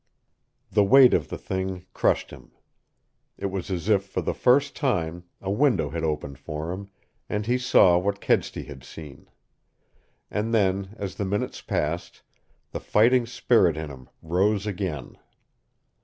The weight of the thing crushed him. It was as if for the first time a window had opened for him, and he saw what Kedsty had seen. And then, as the minutes passed, the fighting spirit in him rose again.